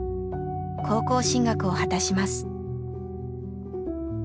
高校進学を果たします。